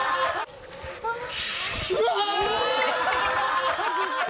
うわ！